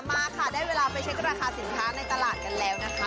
มาค่ะได้เวลาไปเช็คราคาสินค้าในตลาดกันแล้วนะคะ